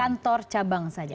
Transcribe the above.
kantor cabang saja